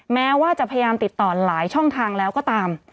แม้ว่าจะพยายามติดต่อหลายช่องทางแล้วก็ตาม